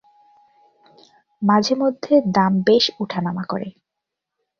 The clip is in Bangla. মাঝেমধ্যে দাম বেশ উঠা-নামা করে।